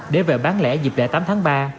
để về bán lễ dịp lễ tám tháng ba